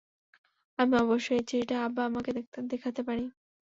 আমি অবশ্য এই চিঠিটা আব্বা-আম্মাকে দেখাতে পারি।